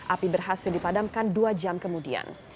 api berhasil dipadamkan dua jam kemudian